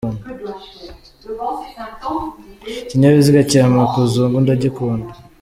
ikinyabiziga cya makuzungu ndagikunda